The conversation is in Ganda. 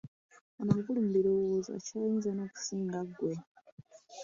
Ono mukulu mu birowoozo akyayinza n'okukusinga ggwe!